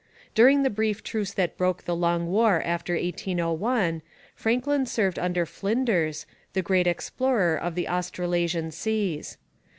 During the brief truce that broke the long war after 1801, Franklin served under Flinders, the great explorer of the Australasian seas.